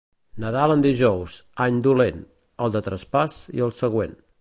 Nadal en dijous, any dolent, el de traspàs i el següent.